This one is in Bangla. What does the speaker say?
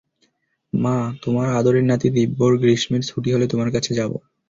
মা, তোমার আদরের নাতি দিব্যর গ্রীষ্মের ছুটি হলে তোমার কাছে যাব।